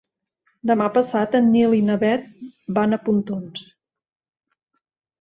Demà passat en Nil i na Bet van a Pontons.